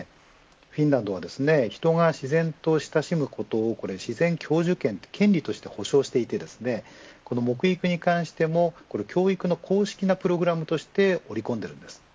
フィンランドは人が自然と親しむことを自然享受権として権利として保障していて木育に関しても教育の公式なプログラムとして盛り込んでいます。